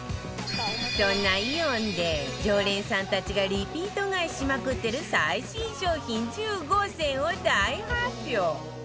そんなイオンで常連さんたちがリピート買いしまくってる最新商品１５選を大発表